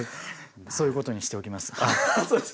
そういうことにしておきます。